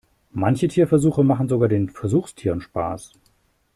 Manche Tierversuche machen sogar den Versuchstieren Spaß.